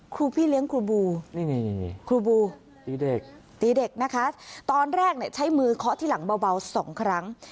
พี่เลี้ยงครูบูนี่ครูบูตีเด็กตีเด็กนะคะตอนแรกใช้มือเคาะที่หลังเบาสองครั้ง